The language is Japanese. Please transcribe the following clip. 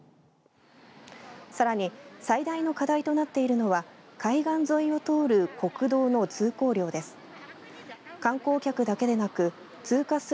さらに最大の課題となっているのは海岸沿いを通る国道の通行量です。